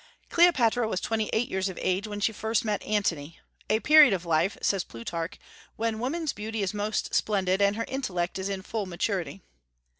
Cleopatra was twenty eight years of age when she first met Antony, "a period of life," says Plutarch, "when woman's beauty is most splendid, and her intellect is in full maturity."